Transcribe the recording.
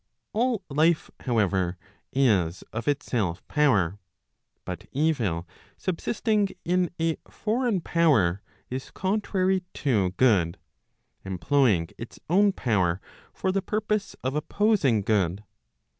All life, however, is of itself power; but evil subsisting in a foreign power is contrary to good, employing its own power for the purpose of opposing good.